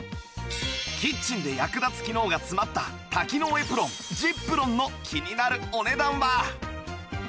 キッチンで役立つ機能が詰まった多機能エプロン ｚｉｐｒｏｎ の気になるお値段は？